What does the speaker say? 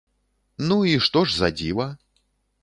Ну, і што ж за дзіва?